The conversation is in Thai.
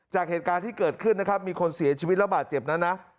จากเหตุการณ์ที่เกิดขึ้นนะครับมีคนเสียชีวิตระบาดเจ็บนั้นนะ